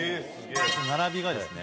並びがですね